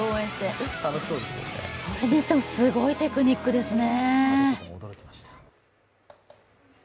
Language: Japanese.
それにしてもすごいテクニックですね。